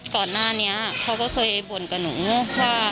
ก่อนหน้านี้เขาก็เคยบ่นกับหนูว่า